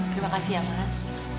terima kasih ya mas